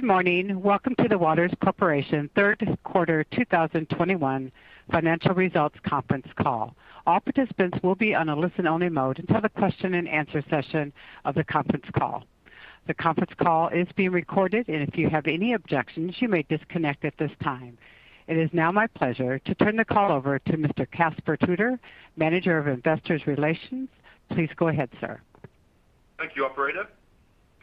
Good morning. Welcome to the Waters Corporation third quarter 2021 financial results conference call. All participants will be on a listen-only mode until the question and answer session of the conference call. The conference call is being recorded, and if you have any objections, you may disconnect at this time. It is now my pleasure to turn the call over to Mr. Caspar Tudor, Manager of Investor Relations. Please go ahead, sir. Thank you, operator.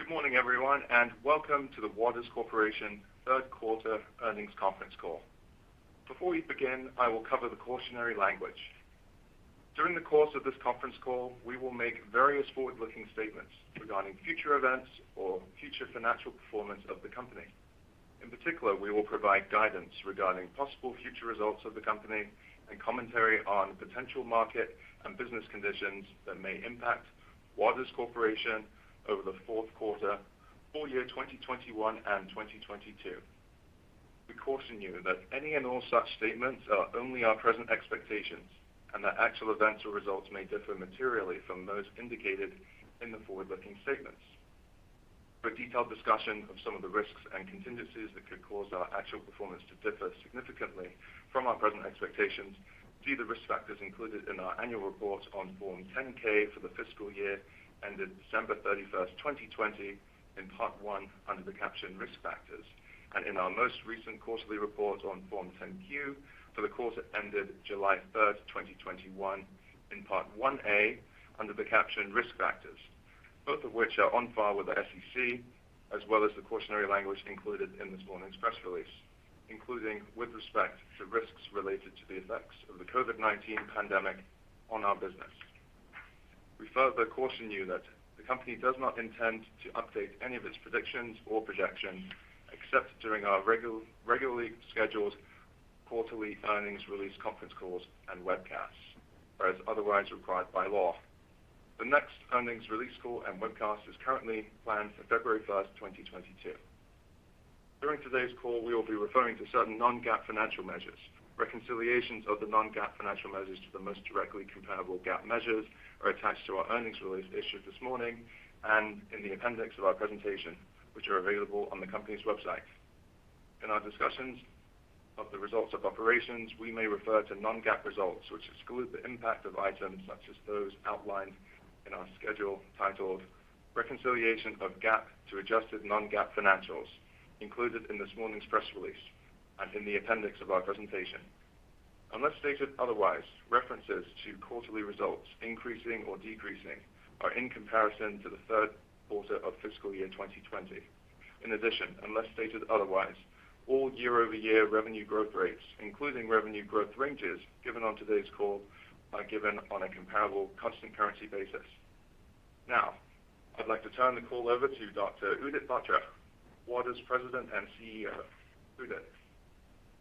Good morning, everyone, and welcome to the Waters Corporation third quarter earnings conference call. Before we begin, I will cover the cautionary language. During the course of this conference call, we will make various forward-looking statements regarding future events or future financial performance of the company. In particular, we will provide guidance regarding possible future results of the company and commentary on potential market and business conditions that may impact Waters Corporation over the fourth quarter, full year 2021 and 2022. We caution you that any and all such statements are only our present expectations, and that actual events or results may differ materially from those indicated in the forward-looking statements. For a detailed discussion of some of the risks and contingencies that could cause our actual performance to differ significantly from our present expectations, see the risk factors included in our annual report on Form 10-K for the fiscal year ended December 31st, 2020 in Part I under the caption Risk Factors, and in our most recent quarterly report on Form 10-Q for the quarter ended July 3rd, 2021 in Part I.A under the caption Risk Factors, both of which are on file with the SEC, as well as the cautionary language included in this morning's press release, including with respect to risks related to the effects of the COVID-19 pandemic on our business. We further caution you that the company does not intend to update any of its predictions or projections except during our regularly scheduled quarterly earnings release conference calls and webcasts, or as otherwise required by law. The next earnings release call and webcast is currently planned for February 1st, 2022. During today's call, we will be referring to certain non-GAAP financial measures. Reconciliations of the non-GAAP financial measures to the most directly comparable GAAP measures are attached to our earnings release issued this morning and in the appendix of our presentation, which are available on the company's website. In our discussions of the results of operations, we may refer to non-GAAP results, which exclude the impact of items such as those outlined in our schedule titled Reconciliation of GAAP to Adjusted Non-GAAP Financials included in this morning's press release and in the appendix of our presentation. Unless stated otherwise, references to quarterly results increasing or decreasing are in comparison to the third quarter of fiscal year 2020. In addition, unless stated otherwise, all year-over-year revenue growth rates, including revenue growth ranges given on today's call, are given on a comparable constant currency basis. Now, I'd like to turn the call over to Dr. Udit Batra, Waters President and CEO. Udit.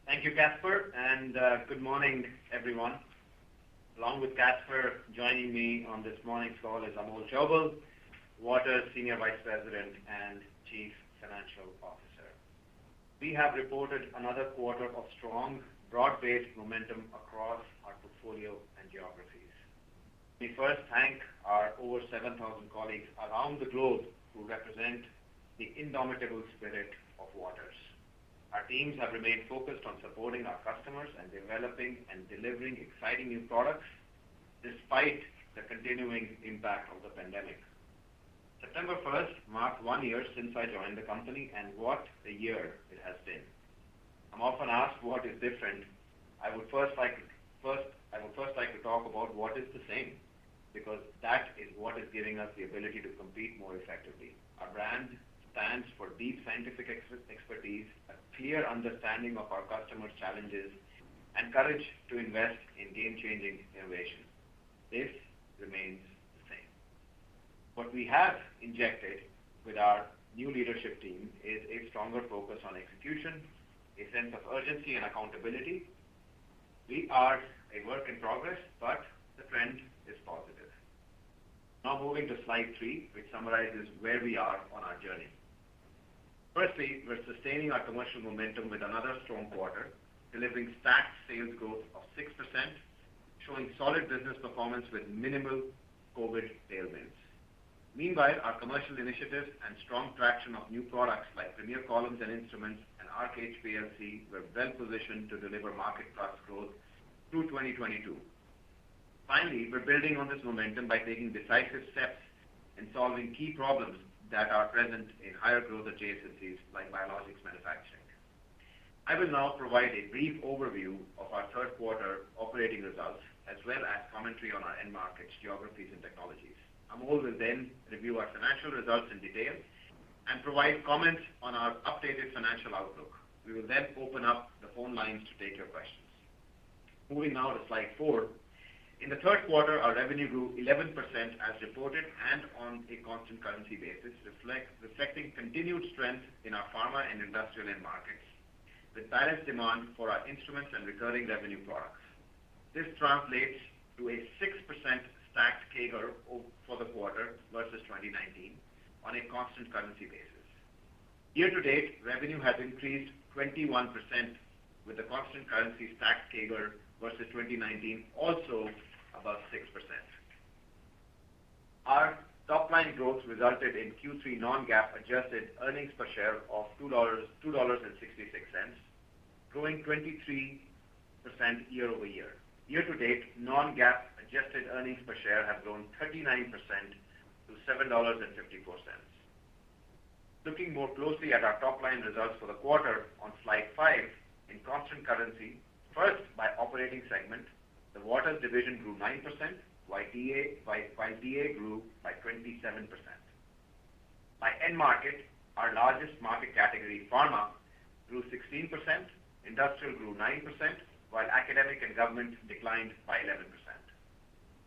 Thank you, Caspar, and good morning, everyone. Along with Caspar, joining me on this morning's call is Amol Chaubal, Senior Vice President and Chief Financial Officer, Waters Corporation. We have reported another quarter of strong, broad-based momentum across our portfolio and geographies. We first thank our over 7,000 colleagues around the globe who represent the indomitable spirit of Waters. Our teams have remained focused on supporting our customers and developing and delivering exciting new products despite the continuing impact of the pandemic. September first marked one year since I joined the company, and what a year it has been. I'm often asked what is different. I would first like to talk about what is the same, because that is what is giving us the ability to compete more effectively. Our brand stands for deep scientific expertise, a clear understanding of our customers' challenges, and courage to invest in game-changing innovation. This remains the same. What we have injected with our new leadership team is a stronger focus on execution, a sense of urgency, and accountability. We are a work in progress, but the trend is positive. Now moving to slide three, which summarizes where we are on our journey. We're sustaining our commercial momentum with another strong quarter, delivering stacked sales growth of 6%, showing solid business performance with minimal COVID tailwinds. Meanwhile, our commercial initiatives and strong traction of new products like Premier Columns and Instruments and Arc HPLC were well-positioned to deliver market plus growth through 2022. We're building on this momentum by taking decisive steps in solving key problems that are present in higher growth adjacencies like biologics manufacturing. I will now provide a brief overview of our third quarter operating results, as well as commentary on our end markets, geographies and technologies. Amol will then review our financial results in detail and provide comments on our updated financial outlook. We will then open up the phone lines to take your questions. Moving now to slide 4. In the third quarter, our revenue grew 11% as reported and on a constant currency basis, reflecting continued strength in our pharma and industrial end markets with balanced demand for our instruments and recurring revenue products. This translates to a 6% stacked CAGR for the quarter versus 2019 on a constant currency basis. Year to date, revenue has increased 21% with a constant currency stacked CAGR versus 2019 also above 6%. Our top line growth resulted in Q3 non-GAAP adjusted earnings per share of $2.66, growing 23% year-over-year. Year-to-date, non-GAAP adjusted earnings per share have grown 39% to $7.54. Looking more closely at our top-line results for the quarter on slide five in constant currency. First, by operating segment, the Waters Division grew 9% while TA grew by 27%. By end market, our largest market category, Pharma, grew 16%, Industrial grew 9%, while Academic & Government declined by 11%.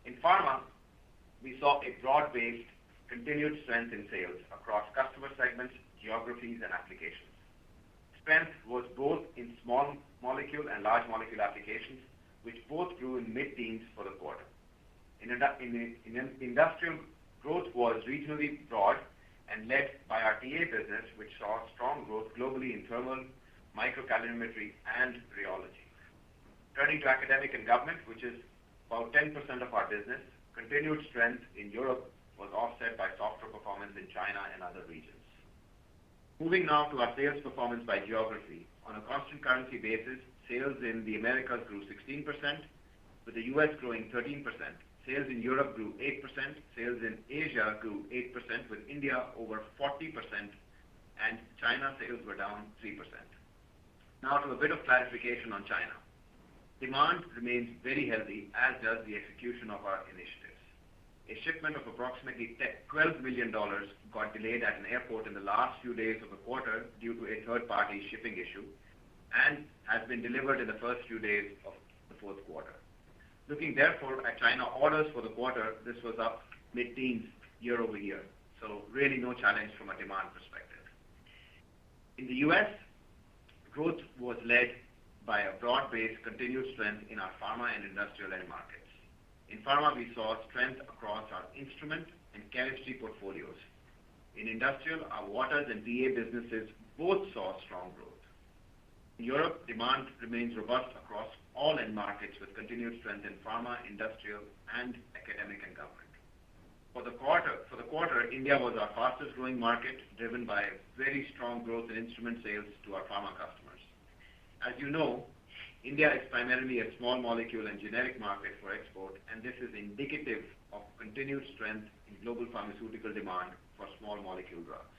In Pharma, we saw a broad-based continued strength in sales across customer segments, geographies, and applications. Strength was both in small molecule and large molecule applications, which both grew in mid-teens for the quarter. Industrial growth was regionally broad and led by our TA business, which saw strong growth globally in thermal, microcalorimetry, and rheology. Turning to Academic and Government, which is about 10% of our business, continued strength in Europe was offset by softer performance in China and other regions. Moving now to our sales performance by geography. On a constant currency basis, sales in the Americas grew 16%, with the U.S. growing 13%. Sales in Europe grew 8%. Sales in Asia grew 8%, with India over 40%, and China sales were down 3%. Now to a bit of clarification on China. Demand remains very healthy, as does the execution of our initiatives. A shipment of approximately $12 million got delayed at an airport in the last few days of the quarter due to a third-party shipping issue and has been delivered in the first few days of the fourth quarter. Looking therefore at China orders for the quarter, this was up mid-teens year-over-year. Really no challenge from a demand perspective. In the U.S., growth was led by a broad-based continued strength in our pharma and industrial end markets. In pharma, we saw strength across our instrument and chemistry portfolios. In industrial, our Waters and TA businesses both saw strong growth. European demand remains robust across all end markets, with continued strength in pharma, industrial, and Academic and Government. For the quarter, India was our fastest-growing market, driven by very strong growth in instrument sales to our pharma customers. As you know, India is primarily a small molecule and generic market for export, and this is indicative of continued strength in global pharmaceutical demand for small molecule drugs.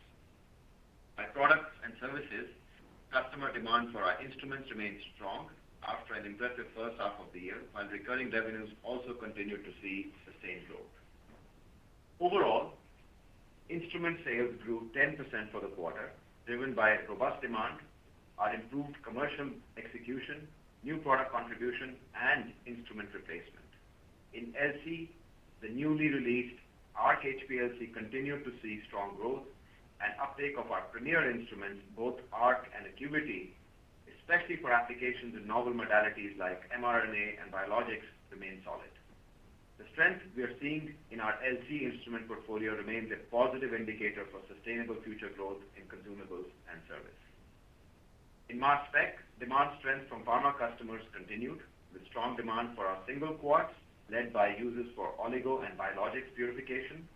By products and services, customer demand for our instruments remains strong after an impressive first half of the year, while recurring revenues also continued to see sustained growth. Overall, instrument sales grew 10% for the quarter, driven by robust demand, our improved commercial execution, new product contribution, and instrument replacement. In LC, the newly released Arc HPLC continued to see strong growth and uptake of our Premier instruments, both Arc and ACQUITY, especially for applications in novel modalities like mRNA and biologics, remain solid. The strength we are seeing in our LC instrument portfolio remains a positive indicator for sustainable future growth in consumables and service. In Mass Spec, demand strength from pharma customers continued, with strong demand for our single quads, led by users for oligo and biologics purification,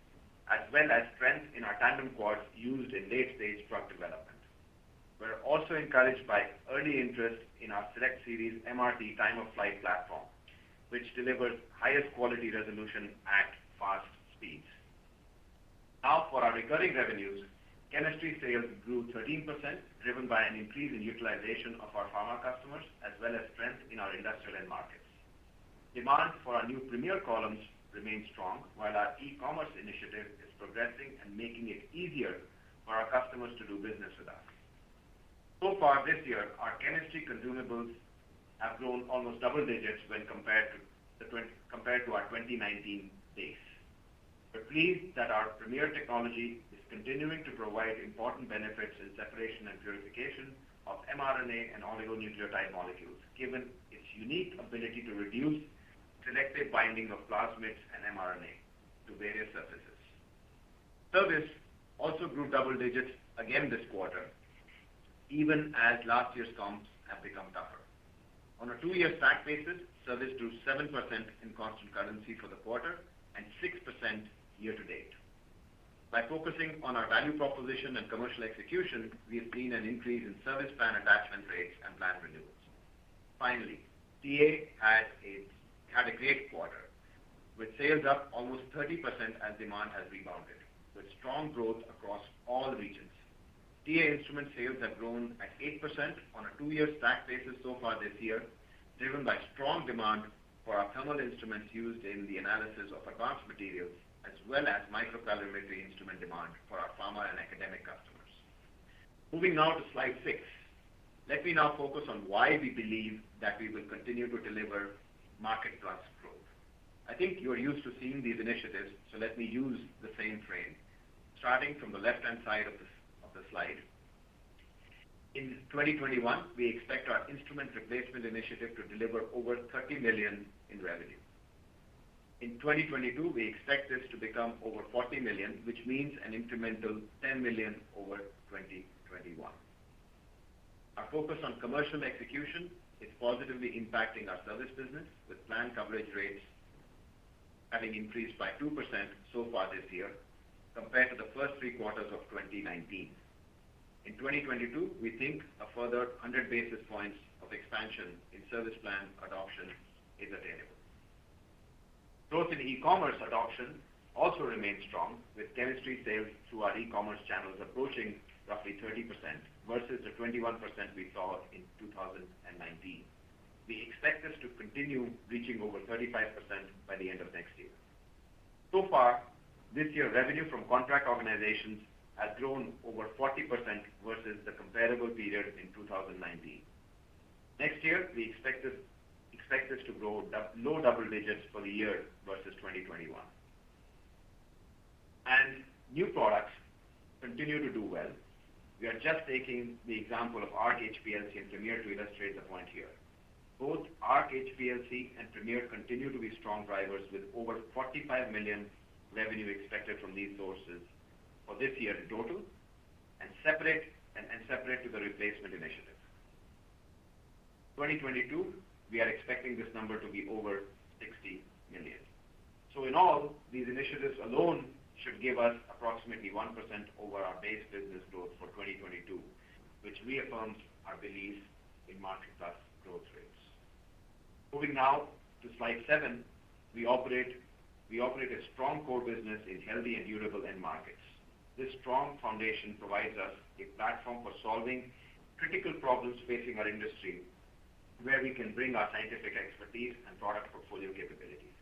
as well as strength in our tandem quads used in late-stage drug development. We're also encouraged by early interest in our SELECT SERIES MRT time-of-flight platform, which delivers highest quality resolution at fast speeds. Now for our recurring revenues. Chemistry sales grew 13%, driven by an increase in utilization of our pharma customers, as well as strength in our industrial end markets. Demand for our new Premier columns remains strong, while our e-commerce initiative is progressing and making it easier for our customers to do business with us. So far this year, our chemistry consumables have grown almost double digits when compared to our 2019 base. We're pleased that our Premier technology is continuing to provide important benefits in separation and purification of mRNA and oligonucleotide molecules, given its unique ability to reduce selective binding of plasmids and mRNA to various surfaces. Service also grew double digits again this quarter, even as last year's comps have become tougher. On a two-year stack basis, service grew 7% in constant currency for the quarter and 6% year-to-date. By focusing on our value proposition and commercial execution, we have seen an increase in service plan attachment rates and plan renewals. Finally, DA had a great quarter, with sales up almost 30% as demand has rebounded, with strong growth across all regions. TA instrument sales have grown at 8% on a two-year stack basis so far this year, driven by strong demand for our thermal instruments used in the analysis of advanced materials, as well as microcalorimetry instrument demand for our pharma and academic customers. Moving now to slide six. Let me now focus on why we believe that we will continue to deliver market plus growth. I think you are used to seeing these initiatives. Let me use the same frame. Starting from the left-hand side of the slide. In 2021, we expect our instrument replacement initiative to deliver over $30 million in revenue. In 2022, we expect this to become over $40 million, which means an incremental $10 million over 2021. Our focus on commercial execution is positively impacting our service business, with plan coverage rates having increased by 2% so far this year compared to the first three quarters of 2019. In 2022, we think a further 100 basis points of expansion in service plan adoption is attainable. Growth in e-commerce adoption also remains strong, with chemistry sales through our e-commerce channels approaching roughly 30% versus the 21% we saw in 2019. We expect this to continue reaching over 35% by the end of next year. So far, this year's revenue from contract organizations has grown over 40% versus the comparable period in 2019. Next year, we expect this to grow low double digits for the year versus 2021. New products continue to do well. We are just taking the example of Arc HPLC and Premier to illustrate the point here. Both Arc HPLC and Premier continue to be strong drivers with over $45 million revenue expected from these sources for this year in total, and separate to the replacement initiatives. 2022, we are expecting this number to be over $60 million. In all, these initiatives alone should give us approximately 1% over our base business growth for 2022, which reaffirms our belief in market plus growth rates. Moving now to slide seven, we operate a strong core business in healthy and durable end markets. This strong foundation provides us a platform for solving critical problems facing our industry, where we can bring our scientific expertise and product portfolio capabilities.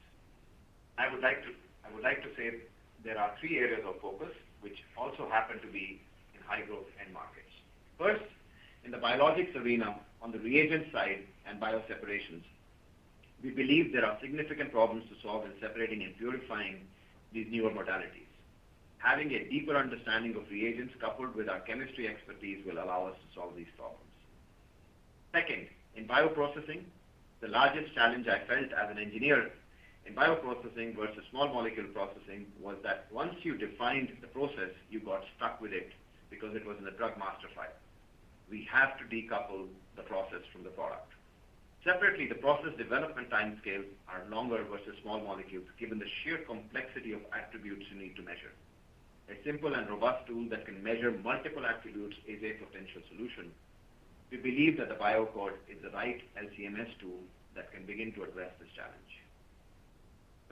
I would like to say there are three areas of focus, which also happen to be in high-growth end markets. First, in the biologics arena on the reagent side and bio separations, we believe there are significant problems to solve in separating and purifying these newer modalities. Having a deeper understanding of reagents coupled with our chemistry expertise will allow us to solve these problems. Second, in bioprocessing, the largest challenge I felt as an engineer in bioprocessing versus small molecule processing was that once you defined the process, you got stuck with it because it was in the Drug Master File. We have to decouple the process from the product. Separately, the process development timescales are longer versus small molecules, given the sheer complexity of attributes you need to measure. A simple and robust tool that can measure multiple attributes is a potential solution. We believe that the BioAccord is the right LC-MS tool that can begin to address this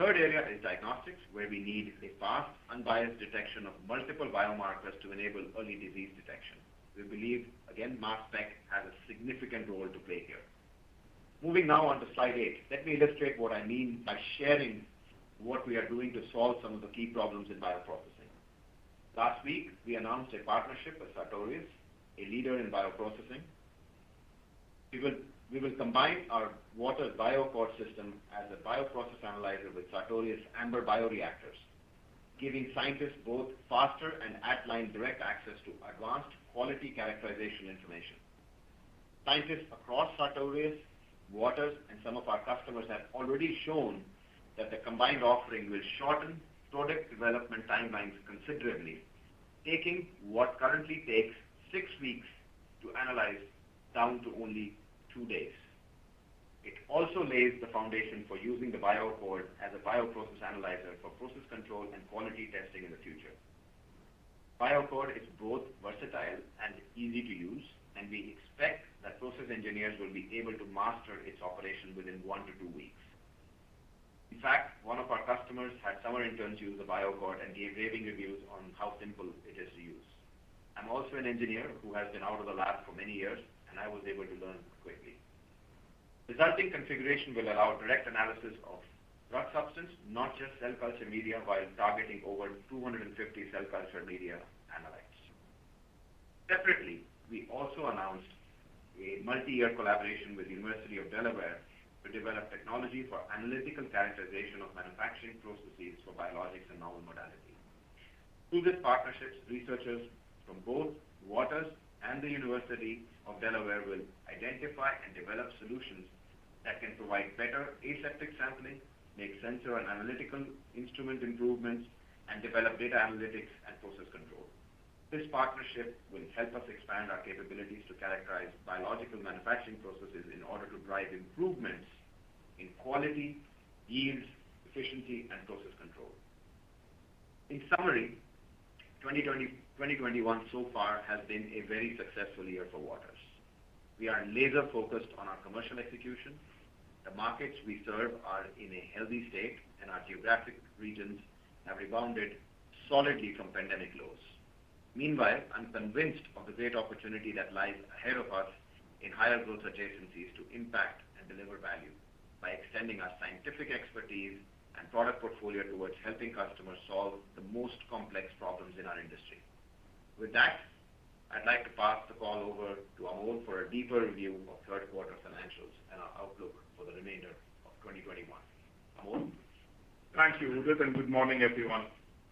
challenge. Third area is diagnostics, where we need a fast, unbiased detection of multiple biomarkers to enable early disease detection. We believe, again, Mass Spec has a significant role to play here. Moving now on to slide eight. Let me illustrate what I mean by sharing what we are doing to solve some of the key problems in bioprocessing. Last week, we announced a partnership with Sartorius, a leader in bioprocessing. We will combine our Waters BioAccord system as a bioprocess analyzer with Sartorius Ambr bioreactors, giving scientists both faster and at-line direct access to advanced quality characterization information. Scientists across Sartorius, Waters, and some of our customers have already shown that the combined offering will shorten product development timelines considerably, taking what currently takes six weeks to analyze down to only two days. It also lays the foundation for using the BioAccord as a bioprocess analyzer for process control and quality testing in the future. BioAccord is both versatile and easy to use, and we expect that process engineers will be able to master its operation within one to two weeks. In fact, one of our customers had summer interns use the BioAccord and gave raving reviews on how simple it is to use. I'm also an engineer who has been out of the lab for many years, and I was able to learn quickly. Resulting configuration will allow direct analysis of drug substance, not just cell culture media, while targeting over 250 cell culture media analytes. Separately, we also announced a multi-year collaboration with University of Delaware to develop technology for analytical characterization of manufacturing processes for biologics and novel modalities. Through these partnerships, researchers from both Waters and the University of Delaware will identify and develop solutions that can provide better aseptic sampling, make sensor and analytical instrument improvements, and develop data analytics and process control. This partnership will help us expand our capabilities to characterize biological manufacturing processes in order to drive improvements in quality, yields, efficiency, and process control. In summary, 2020, 2021 so far has been a very successful year for Waters. We are laser-focused on our commercial execution. The markets we serve are in a healthy state, and our geographic regions have rebounded solidly from pandemic lows. Meanwhile, I'm convinced of the great opportunity that lies ahead of us in higher growth adjacencies to impact and deliver value by extending our scientific expertise and product portfolio towards helping customers solve the most complex problems in our industry. With that, I'd like to pass the call over to Amol for a deeper review of third quarter financials and our outlook for the remainder of 2021. Amol? Thank you, Udit, and good morning, everyone.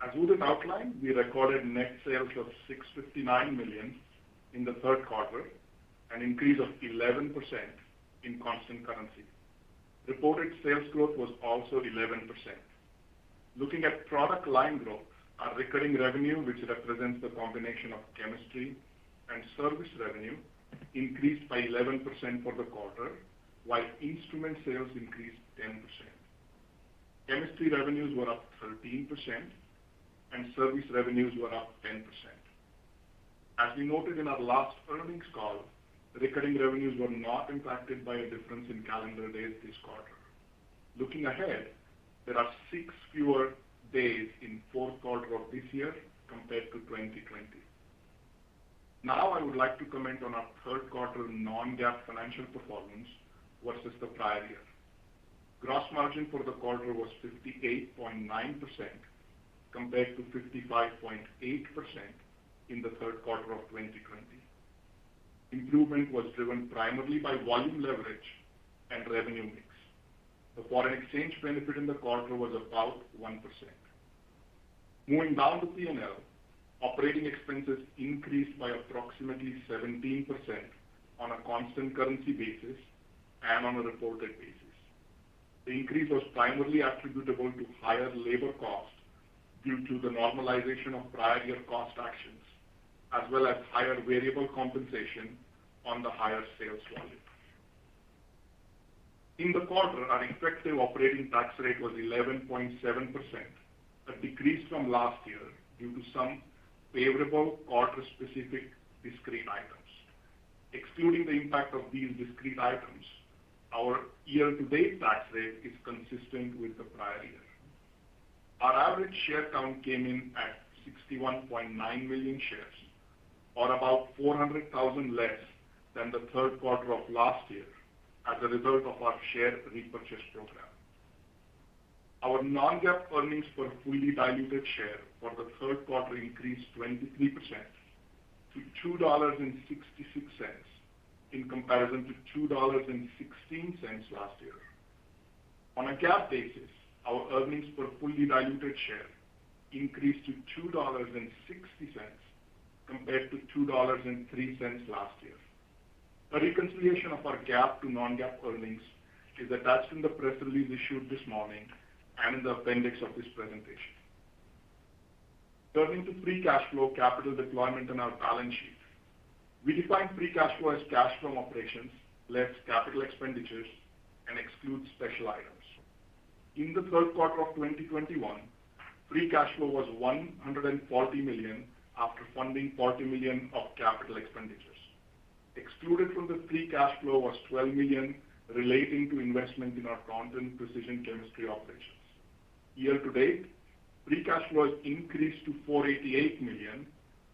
As Udit outlined, we recorded net sales of $659 million in the third quarter, an increase of 11% in constant currency. Reported sales growth was also 11%. Looking at product line growth, our recurring revenue, which represents the combination of chemistry and service revenue, increased by 11% for the quarter, while instrument sales increased 10%. Chemistry revenues were up 13%, and service revenues were up 10%. As we noted in our last earnings call, recurring revenues were not impacted by a difference in calendar days this quarter. Looking ahead, there are six fewer days in fourth quarter of this year compared to 2020. Now I would like to comment on our third quarter non-GAAP financial performance versus the prior year. Gross margin for the quarter was 58.9% compared to 55.8% in the third quarter of 2020. Improvement was driven primarily by volume leverage and revenue mix. The foreign exchange benefit in the quarter was about 1%. Moving down to P&L, operating expenses increased by approximately 17% on a constant currency basis and on a reported basis. The increase was primarily attributable to higher labor costs due to the normalization of prior year cost actions, as well as higher variable compensation on the higher sales volume. In the quarter, our effective operating tax rate was 11.7%, a decrease from last year due to some favorable quarter-specific discrete items. Excluding the impact of these discrete items, our year-to-date tax rate is consistent with the prior year. Our average share count came in at 61.9 million shares, or about 400,000 less than the third quarter of last year as a result of our share repurchase program. Our non-GAAP earnings per fully diluted share for the third quarter increased 23% to $2.66, in comparison to $2.16 last year. On a GAAP basis, our earnings per fully diluted share increased to $2.60 compared to $2.03 last year. A reconciliation of our GAAP to non-GAAP earnings is attached in the press release issued this morning and in the appendix of this presentation. Turning to free cash flow, capital deployment, and our balance sheet. We define free cash flow as cash from operations, less capital expenditures, and excludes special items. In the third quarter of 2021, free cash flow was $140 million, after funding $40 million of capital expenditures. Excluded from the free cash flow was $12 million relating to investment in our Taunton precision chemistry operations. Year to date, free cash flow has increased to $488 million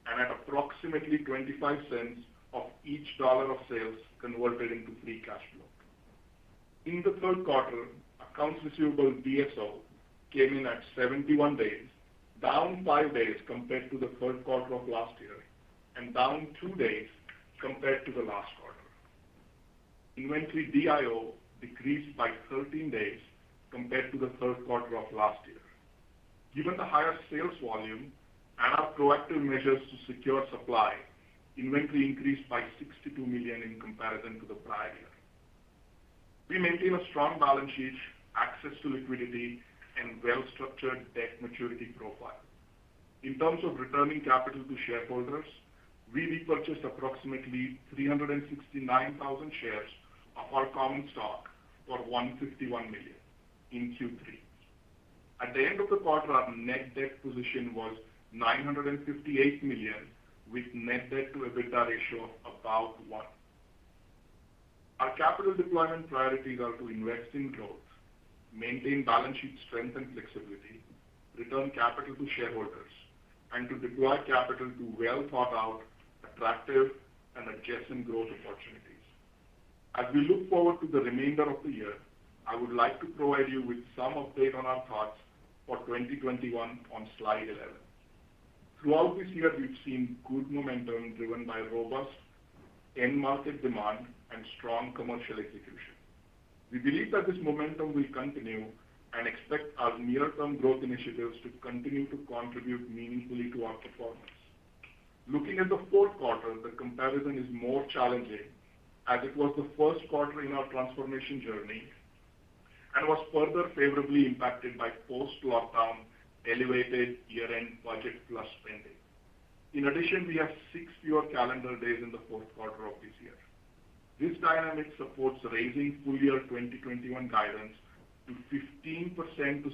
and at approximately $0.25 of each dollar of sales converted into free cash flow. In the third quarter, accounts receivable DSO came in at 71 days, down five days compared to the third quarter of last year, and down two days compared to the last quarter. Inventory DIO decreased by 13 days compared to the third quarter of last year. Given the higher sales volume and our proactive measures to secure supply, inventory increased by $62 million in comparison to the prior year. We maintain a strong balance sheet, access to liquidity, and well-structured debt maturity profile. In terms of returning capital to shareholders, we repurchased approximately 369,000 shares of our common stock for $151 million in Q3. At the end of the quarter, our net debt position was $958 million, with net debt to EBITDA ratio of about one. Our capital deployment priorities are to invest in growth, maintain balance sheet strength and flexibility, return capital to shareholders, and to deploy capital to well-thought-out, attractive and adjacent growth opportunities. As we look forward to the remainder of the year, I would like to provide you with some update on our thoughts for 2021 on slide 11. Throughout this year, we've seen good momentum driven by robust end market demand and strong commercial execution. We believe that this momentum will continue and expect our near-term growth initiatives to continue to contribute meaningfully to our performance. Looking at the fourth quarter, the comparison is more challenging as it was the first quarter in our transformation journey and was further favorably impacted by post-lockdown elevated year-end budget plus spending. In addition, we have six fewer calendar days in the fourth quarter of this year. This dynamic supports raising full-year 2021 guidance to 15%-16%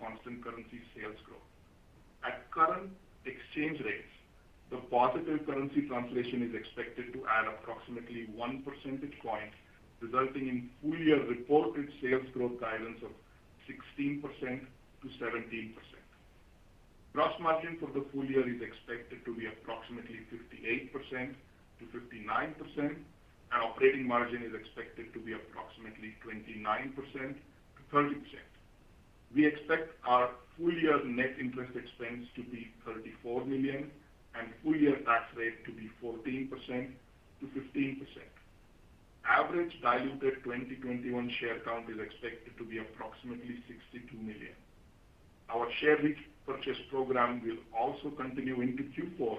constant currency sales growth. At current exchange rates, the positive currency translation is expected to add approximately 1 percentage point, resulting in full-year reported sales growth guidance of 16%-17%. Gross margin for the full year is expected to be approximately 58%-59%, and operating margin is expected to be approximately 29%-30%. We expect our full-year net interest expense to be $34 million and full-year tax rate to be 14%-15%. Average diluted 2021 share count is expected to be approximately 62 million. Our share repurchase program will also continue into Q4,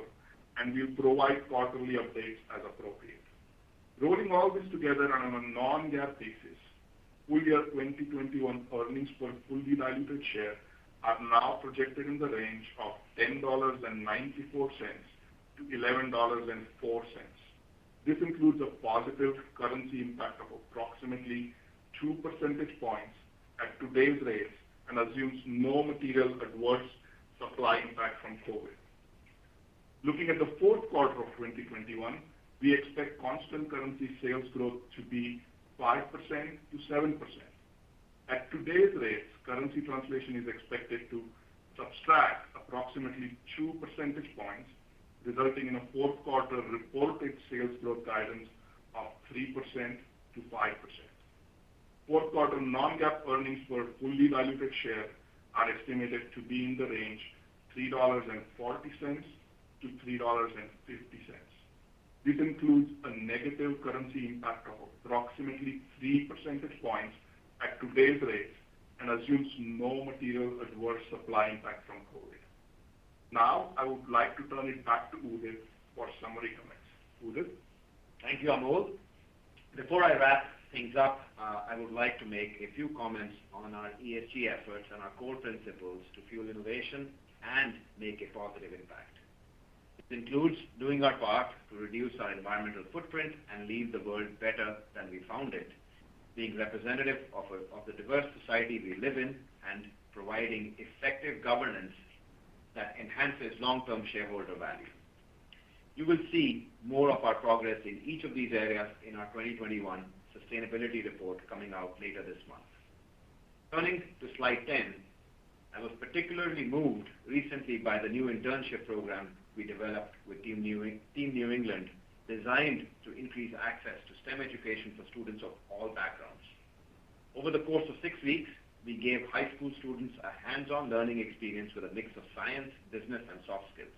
and we'll provide quarterly updates as appropriate. Rolling all this together on a non-GAAP basis, full-year 2021 earnings per fully diluted share are now projected in the range of $10.94-$11.04. This includes a positive currency impact of approximately two percentage points at today's rates and assumes no material adverse supply impact from COVID. Looking at the fourth quarter of 2021, we expect constant currency sales growth to be 5%-7%. At today's rates, currency translation is expected to subtract approximately 2 percentage points, resulting in a fourth quarter reported sales growth guidance of 3%-5%. Fourth quarter non-GAAP earnings per fully diluted share are estimated to be in the range $3.40-$3.50. This includes a negative currency impact of approximately 3 percentage points at today's rates and assumes no material adverse supply impact from COVID. Now, I would like to turn it back to Udit for summary comments. Udit. Thank you, Amol. Before I wrap things up, I would like to make a few comments on our ESG efforts and our core principles to fuel innovation and make a positive impact. This includes doing our part to reduce our environmental footprint and leave the world better than we found it, being representative of a diverse society we live in, and providing effective governance that enhances long-term shareholder value. You will see more of our progress in each of these areas in our 2021 sustainability report coming out later this month. Turning to slide 10, I was particularly moved recently by the new internship program we developed with Team New England, designed to increase access to STEM education for students of all backgrounds. Over the course of six weeks, we gave high school students a hands-on learning experience with a mix of science, business, and soft skills.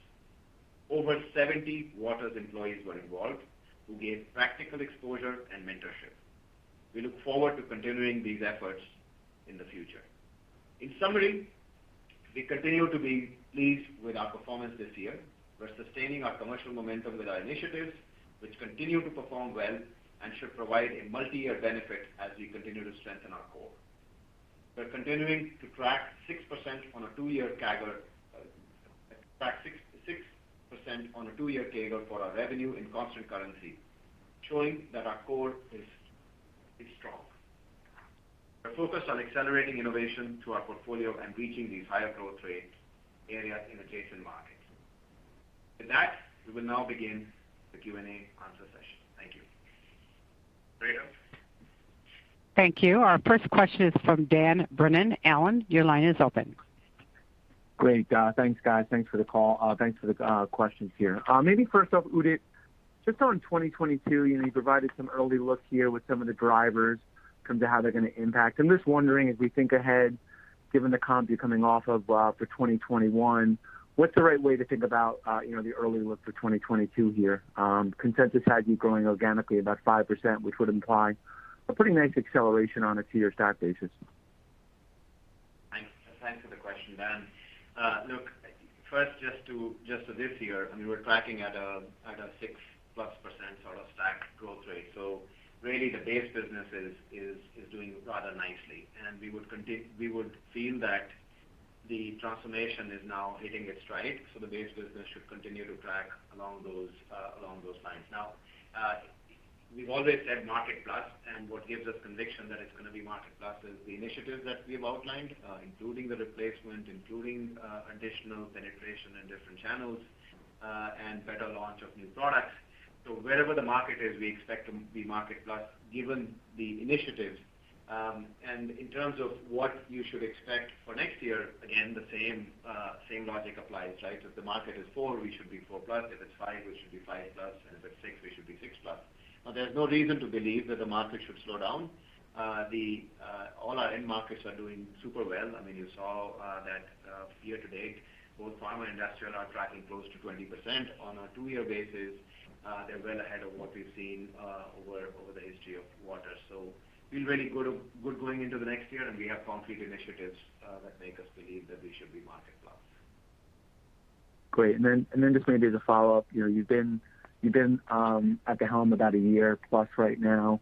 Over 70 Waters employees were involved who gave practical exposure and mentorship. We look forward to continuing these efforts in the future. In summary, we continue to be pleased with our performance this year. We're sustaining our commercial momentum with our initiatives, which continue to perform well and should provide a multi-year benefit as we continue to strengthen our core. We're continuing to track 6% on a two-year CAGR for our revenue in constant currency, showing that our core is strong. We're focused on accelerating innovation to our portfolio and reaching these higher growth rates areas in adjacent markets. With that, we will now begin the Q&A answer session. Thank you. Operator. Thank you. Our first question is from Dan Brennan. Allen, your line is open. Great. Thanks, guys. Thanks for the call. Thanks for the questions here. Maybe first off, Udit, just on 2022, you know, you provided some early look here with some of the drivers in terms of how they're gonna impact. I'm just wondering, as we think ahead, given the comp you're coming off of, for 2021, what's the right way to think about, you know, the early look for 2022 here? Consensus had you growing organically about 5%, which would imply a pretty nice acceleration on a two-year stack basis. Thanks. Thanks for the question, Dan. Look, first, just this year, I mean, we're tracking at a 6%+ sort of stacked growth rate. Really, the base business is doing rather nicely. We would feel that the transformation is now hitting its stride, so the base business should continue to track along those lines. Now, we've always said market plus, and what gives us conviction that it's gonna be market plus is the initiatives that we have outlined, including the replacement, additional penetration in different channels, and better launch of new products. Wherever the market is, we expect to be market plus given the initiatives. In terms of what you should expect for next year, again, the same logic applies, right? If the market is four, we should be 4+. If it's five, we should be 5+, and if it's six, we should be 6+. Now, there's no reason to believe that the market should slow down. All our end markets are doing super well. I mean, you saw that year to date, both pharma and industrial are tracking close to 20%. On a two-year basis, they're well ahead of what we've seen over the history of Waters. We feel really good, we're going into the next year, and we have concrete initiatives that make us believe that we should be market plus. Great. Just maybe as a follow-up, you've been at the helm about a year plus right now.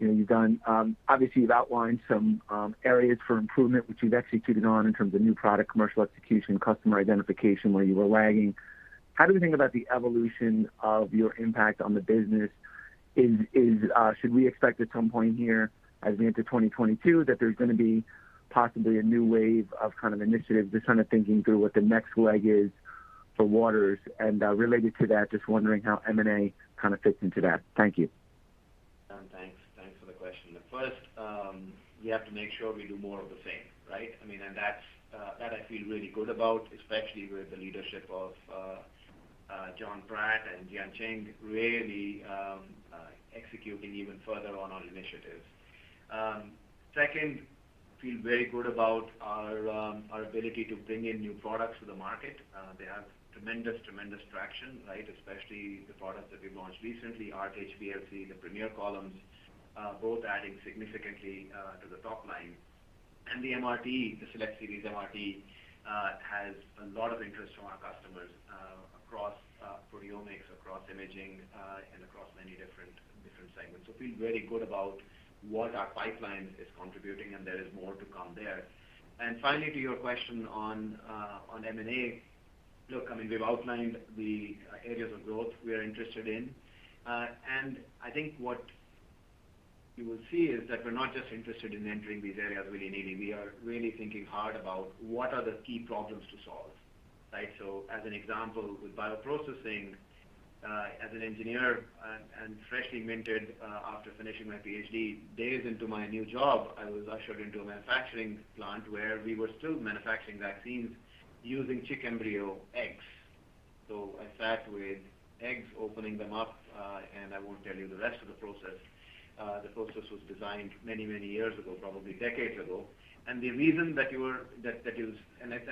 You've done, obviously, you've outlined some areas for improvement, which you've executed on in terms of new product, commercial execution, customer identification, where you were lagging. How do we think about the evolution of your impact on the business? Should we expect at some point here as we enter 2022 that there's gonna be possibly a new wave of kind of initiatives, just kind of thinking through what the next leg is for Waters? Related to that, just wondering how M&A kind of fits into that. Thank you. Dan, thanks. Thanks for the question. First, we have to make sure we do more of the same, right? I mean, and that's that I feel really good about, especially with the leadership of Jonathan Pratt and Jianqing Bennett really executing even further on our initiatives. Second, I feel very good about our ability to bring in new products to the market. They have tremendous traction, right? Especially the products that we've launched recently, Arc HPLC, the Premier Columns, both adding significantly to the top line. The MRT, the Select Series MRT, has a lot of interest from our customers across proteomics, across imaging, and across many different segments. I feel very good about what our pipeline is contributing, and there is more to come there. Finally, to your question on M&A. Look, I mean, we've outlined the areas of growth we are interested in. I think what you will see is that we're not just interested in entering these areas willy-nilly. We are really thinking hard about what are the key problems to solve, right? As an example, with bioprocessing, as an engineer and freshly minted after finishing my PhD, days into my new job, I was ushered into a manufacturing plant where we were still manufacturing vaccines using chicken embryo eggs. I sat with eggs, opening them up, and I won't tell you the rest of the process. The process was designed many years ago, probably decades ago. The reason is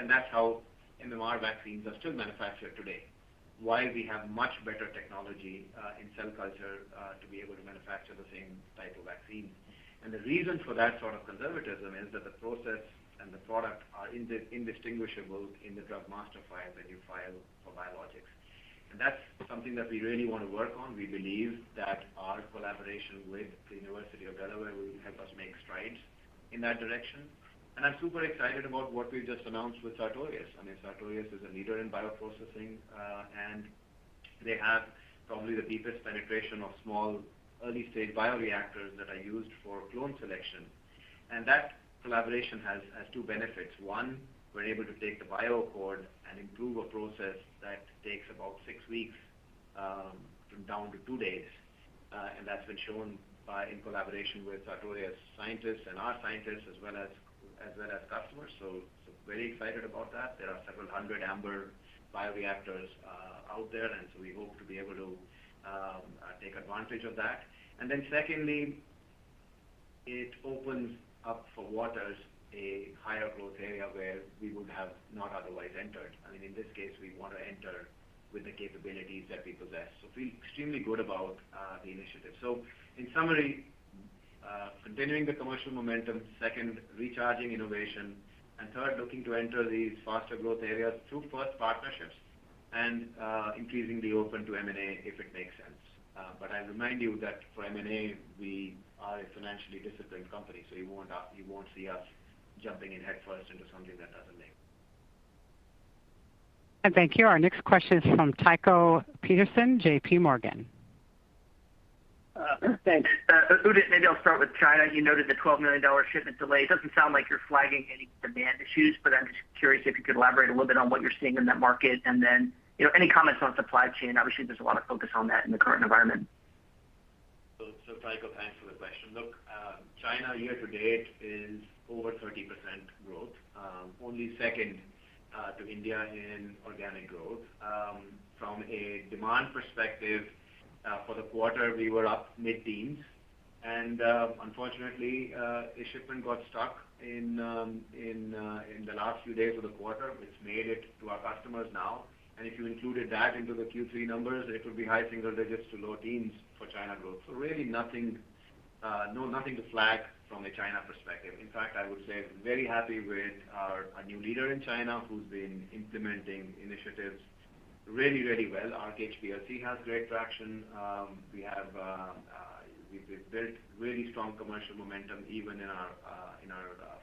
that's how MMR vaccines are still manufactured today. Why we have much better technology in cell culture to be able to manufacture the same type of vaccines. The reason for that sort of conservatism is that the process and the product are indistinguishable in the Drug Master File that you file for biologics. That's something that we really wanna work on. We believe that our collaboration with the University of Delaware will help us make strides in that direction. I'm super excited about what we just announced with Sartorius. I mean, Sartorius is a leader in bioprocessing, and they have probably the deepest penetration of small early-stage bioreactors that are used for clone selection. That collaboration has two benefits. One, we're able to take the BioAccord and improve a process that takes about six weeks down to two days. That's been shown by in collaboration with Sartorius scientists and our scientists as well as customers. Very excited about that. There are several hundred Ambr bioreactors out there, and we hope to be able to take advantage of that. Secondly, it opens up for Waters a higher growth area where we would have not otherwise entered. I mean, in this case, we wanna enter with the capabilities that we possess. We feel extremely good about the initiative. In summary, continuing the commercial momentum, second, recharging innovation, and third, looking to enter these faster growth areas through first partnerships and increasingly open to M&A if it makes sense. I remind you that for M&A, we are a financially disciplined company, so you won't see us jumping in headfirst into something that doesn't make. Thank you. Our next question is from Tycho Peterson, JP.Morgan. Udit, maybe I'll start with China. You noted the $12 million shipment delay. It doesn't sound like you're flagging any demand issues, but I'm just curious if you could elaborate a little bit on what you're seeing in that market. You know, any comments on supply chain, obviously, there's a lot of focus on that in the current environment. Tycho, thanks for the question. Look, China year-to-date is over 30% growth, only second to India in organic growth. From a demand perspective, for the quarter, we were up mid-teens. Unfortunately, a shipment got stuck in the last few days of the quarter, which made it to our customers now. If you included that into the Q3 numbers, it would be high single digits to low teens for China growth. Really nothing to flag from a China perspective. In fact, I would say very happy with our new leader in China who's been implementing initiatives really well. Arc HPLC has great traction. We've built really strong commercial momentum even in our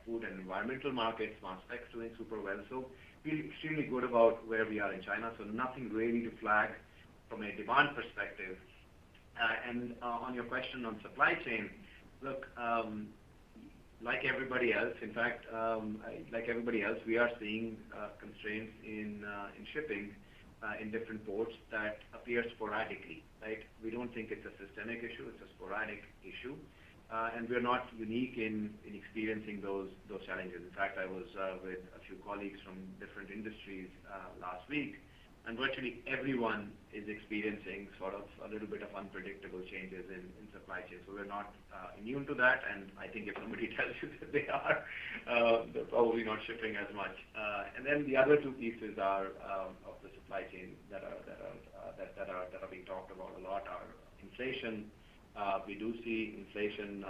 food and environmental markets. Mass spec's doing super well. Feel extremely good about where we are in China, so nothing really to flag from a demand perspective. On your question on supply chain, look, like everybody else, in fact, we are seeing constraints in shipping in different ports that appear sporadically, right? We don't think it's a systemic issue, it's a sporadic issue. We're not unique in experiencing those challenges. In fact, I was with a few colleagues from different industries last week, and virtually everyone is experiencing sort of a little bit of unpredictable changes in supply chain. We're not immune to that, and I think if somebody tells you that they are, they're probably not shipping as much. The other two pieces are of the supply chain that are being talked about a lot are inflation. We do see inflation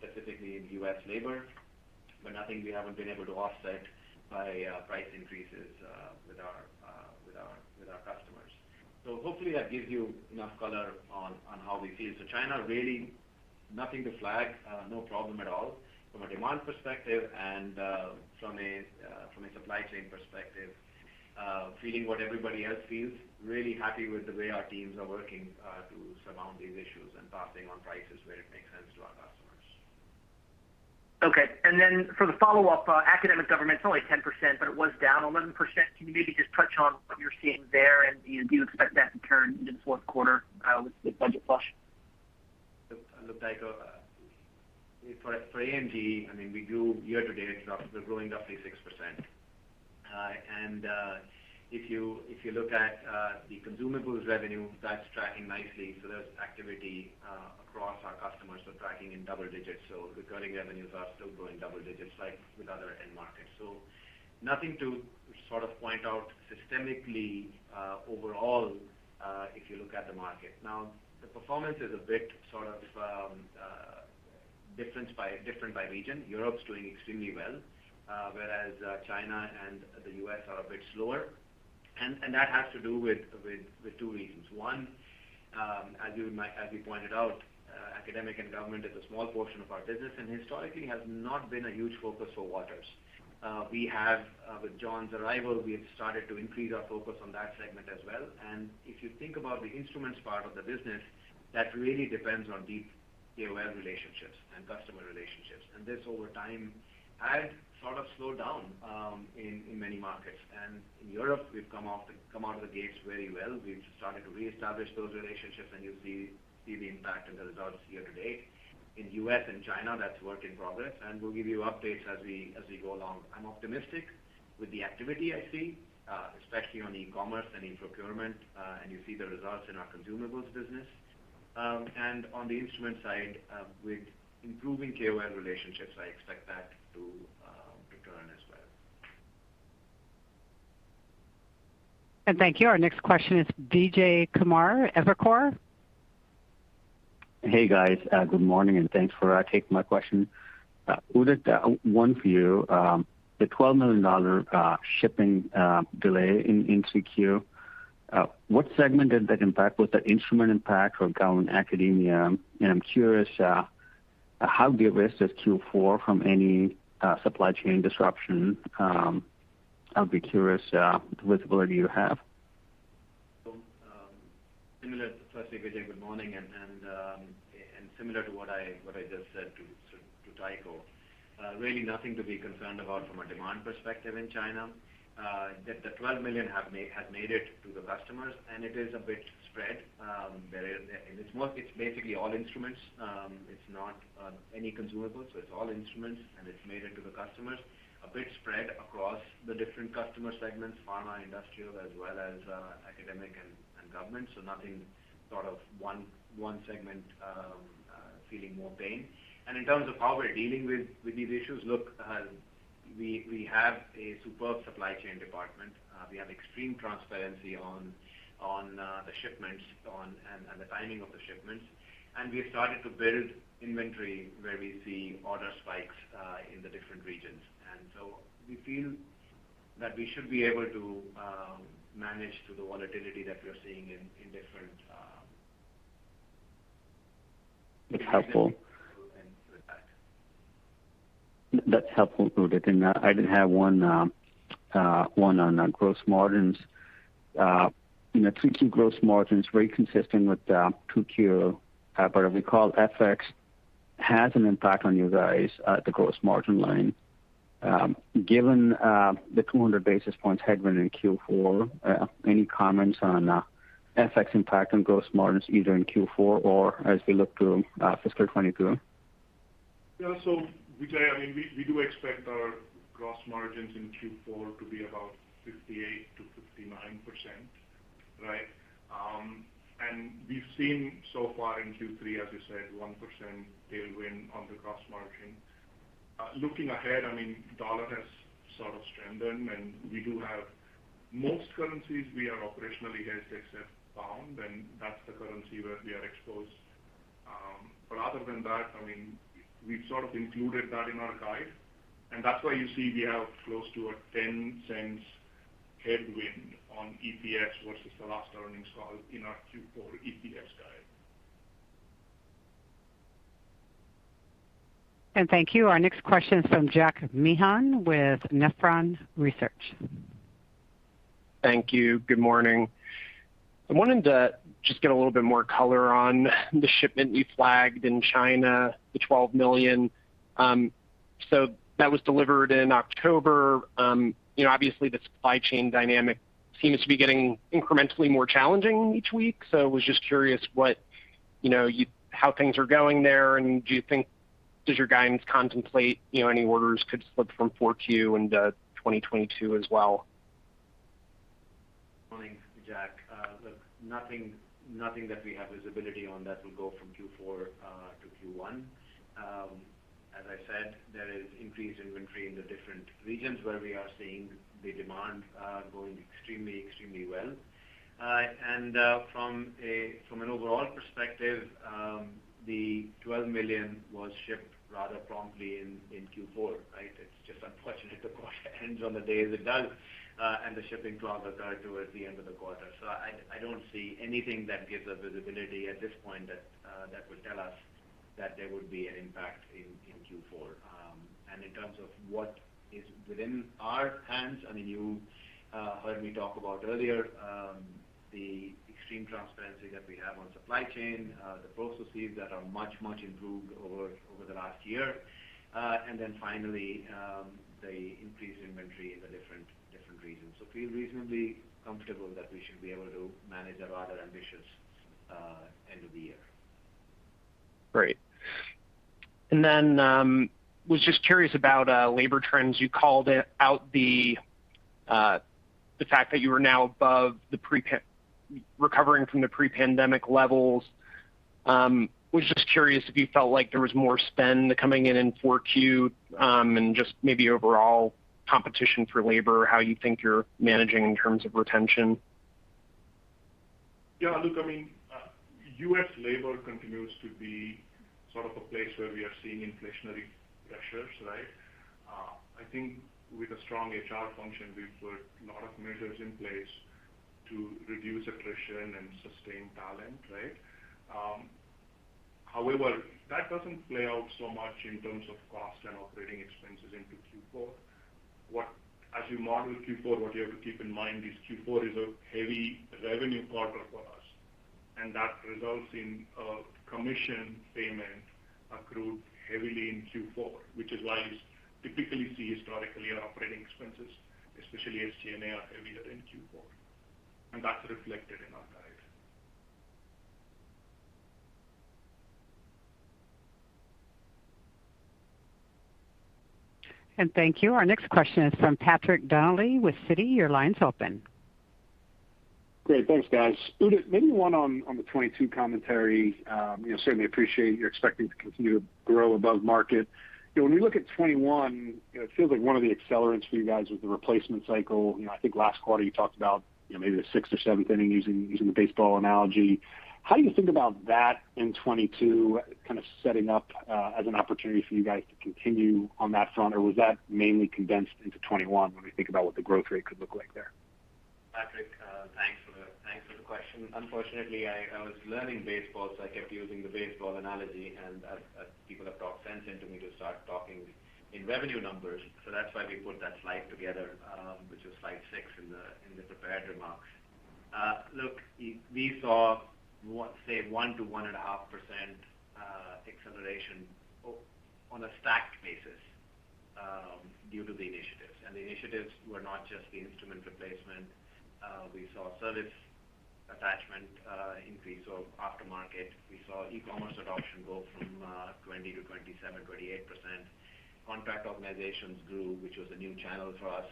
specifically in U.S. labor, but nothing we haven't been able to offset by price increases with our customers. Hopefully that gives you enough color on how we feel. China, really nothing to flag, no problem at all from a demand perspective and from a supply chain perspective, feeling what everybody else feels. Really happy with the way our teams are working to surmount these issues and passing on prices where it makes sense to our customers. For the follow-up, Academic Government, it's only 10%, but it was down 11%. Can you maybe just touch on what you're seeing there and do you expect that to turn in the fourth quarter, with the budget flush? Look, Tycho, for AMG, I mean, we grew year to date, we're growing roughly 6%. If you look at the consumables revenue, that's tracking nicely. There's activity across our customers. Tracking in double digits. Recurring revenues are still growing double digits like with other end markets. Nothing to sort of point out systemically overall if you look at the market. The performance is a bit different by region. Europe's doing extremely well, whereas China and the U.S. are a bit slower. That has to do with two reasons. One, as we pointed out, Academic & Government is a small portion of our business, and historically has not been a huge focus for Waters. With John's arrival, we have started to increase our focus on that segment as well. If you think about the instruments part of the business, that really depends on deep KOL relationships and customer relationships. This, over time, had sort of slowed down in many markets. In Europe, we've come out of the gates very well. We've started to reestablish those relationships, and you'll see the impact in the results year-to-date. In U.S. and China, that's a work in progress, and we'll give you updates as we go along. I'm optimistic with the activity I see, especially on e-commerce and in procurement, and you see the results in our consumables business. On the instrument side, with improving KOL relationships, I expect that to return as well. Thank you. Our next question is Vijay Kumar, Evercore. Hey, guys. Good morning, and thanks for taking my question. Udit, one for you. The $12 million shipping delay in 3Q, what segment did that impact? Was that instrument impact or government academia? I'm curious, how do you assess Q4 for any supply chain disruption? I'd be curious about the visibility you have. Firstly, Vijay, good morning. Similar to what I just said to Tycho. Really nothing to be concerned about from a demand perspective in China. The $12 million had made it to the customers, and it is a bit spread. It's basically all instruments. It's not any consumables. It's all instruments, and it's made it to the customers. A bit spread across the different customer segments, pharma, industrial, as well as academic and government. Nothing sort of one segment feeling more pain. In terms of how we're dealing with these issues, look, we have a superb supply chain department. We have extreme transparency on the shipments and the timing of the shipments. We have started to build inventory where we see order spikes in the different regions. We feel that we should be able to manage through the volatility that we are seeing in different That's helpful. Regions and with that. That's helpful, Udit. I did have one on gross margins. You know, 3Q gross margin is very consistent with 2Q. I recall FX has an impact on you guys at the gross margin line. Given the 200 basis points headwind in Q4, any comments on FX impact on gross margins either in Q4 or as we look to fiscal 2022? Yeah. Vijay, I mean, we do expect our gross margins in Q4 to be about 58%-59%, right? We've seen so far in Q3, as you said, 1% tailwind on the gross margin. Looking ahead, I mean, dollar has sort of strengthened, and most currencies we are operationally hedged except pound, and that's the currency where we are exposed. Other than that, I mean, we've sort of included that in our guide, and that's why you see we have close to a $0.10 headwind on EPS versus the last earnings call in our Q4 EPS guide. Thank you. Our next question is from Jack Meehan with Nephron Research. Thank you. Good morning. I wanted to just get a little bit more color on the shipment you flagged in China, the $12 million. That was delivered in October. You know, obviously, the supply chain dynamic seems to be getting incrementally more challenging each week. I was just curious what, you know, how things are going there, and does your guidance contemplate, you know, any orders could slip from 4Q into 2022 as well? Morning, Jack. Look, nothing that we have visibility on that will go from Q4 to Q1. As I said, there is increased inventory in the different regions where we are seeing the demand going extremely well. From an overall perspective, the $12 million was shipped rather promptly in Q4, right? It's just unfortunate the quarter ends on the day as it does, and the shipping closes out towards the end of the quarter. I don't see anything that gives us visibility at this point that would tell us that there would be an impact in Q4. In terms of what is within our hands, I mean, you heard me talk about earlier, the extreme transparency that we have on supply chain, the processes that are much improved over the last year, and then finally, the increased inventory in the different regions. Feel reasonably comfortable that we should be able to manage a rather ambitious end of the year. Great. Then was just curious about labor trends. You called out the fact that you are now above the pre-pandemic levels. Was just curious if you felt like there was more spend coming in in 4Q, and just maybe overall competition for labor, how you think you're managing in terms of retention? Yeah, look, I mean, U.S. labor continues to be sort of a place where we are seeing inflationary pressures, right? I think with a strong HR function, we've put a lot of measures in place to reduce attrition and sustain talent, right? However, that doesn't play out so much in terms of cost and operating expenses into Q4. As you model Q4, what you have to keep in mind is Q4 is a heavy revenue quarter for us, and that results in commission payments accrued heavily in Q4, which is why you typically see historically our operating expenses, especially SG&A, are heavier in Q4, and that's reflected in our guide. Thank you. Our next question is from Patrick Donnelly with Citi. Your line's open. Great. Thanks, guys. Udit, maybe one on the 2022 commentary. You know, certainly appreciate you're expecting to continue to grow above market. You know, when we look at 2021, you know, it feels like one of the accelerants for you guys was the replacement cycle. You know, I think last quarter you talked about, you know, maybe the sixth or seventh inning using the baseball analogy. How do you think about that in 2022 kind of setting up as an opportunity for you guys to continue on that front? Or was that mainly condensed into 2021 when we think about what the growth rate could look like there? Patrick, thanks for the question. Unfortunately, I was learning baseball, so I kept using the baseball analogy, and as people have talked sense into me to start talking in revenue numbers. That's why we put that slide together, which was slide six in the prepared remarks. Look, we saw, say, 1%-1.5% acceleration on a stacked basis due to the initiatives. The initiatives were not just the instrument replacement. We saw service attachment increase of aftermarket. We saw e-commerce adoption go from 20%-27%, 28%. Contract organizations grew, which was a new channel for us,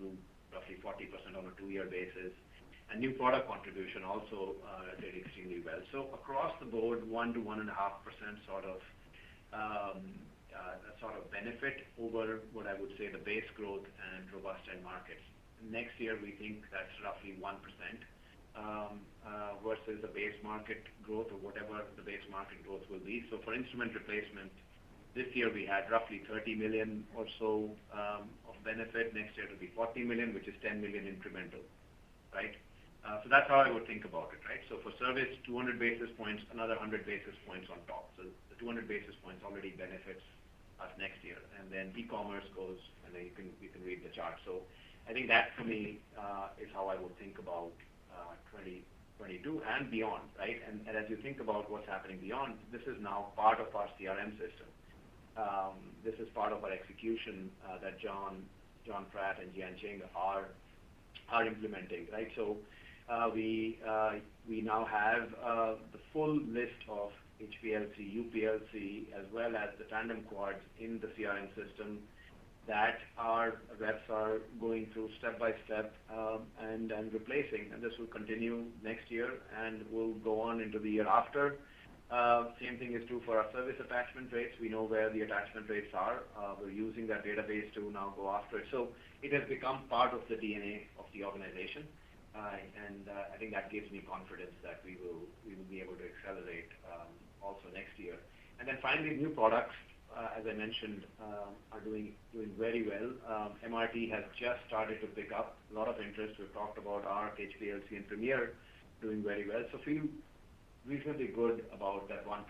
grew roughly 40% on a two-year basis. New product contribution also did extremely well. Across the board, 1%-1.5% sort of benefit over what I would say the base growth and robust end markets. Next year, we think that's roughly 1% versus the base market growth or whatever the base market growth will be. For instrument replacement, this year we had roughly $30 million or so of benefit. Next year it'll be $40 million, which is $10 million incremental, right? That's how I would think about it, right? For service, 200 basis points, another 100 basis points on top. The 200 basis points already benefits us next year. Then e-commerce goes, and then you can read the chart. I think that for me is how I would think about 2022 and beyond, right? As you think about what's happening beyond, this is now part of our CRM system. This is part of our execution that Jonathan Pratt and Jianqing Bennett are implementing, right? We now have the full list of HPLC, UPLC, as well as the tandem quad in the CRM system that our reps are going through step by step, and replacing. This will continue next year and will go on into the year after. Same thing is true for our service attachment rates. We know where the attachment rates are. We're using that database to now go after it. It has become part of the DNA of the organization. I think that gives me confidence that we will be able to accelerate also next year. Finally, new products, as I mentioned, are doing very well. MRT has just started to pick up a lot of interest. We've talked about our HPLC and Premier doing very well. Feel reasonably good about that 1%